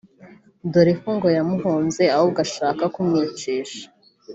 dore ko ngo yamuhunze ahubwo ashaka kumwicisha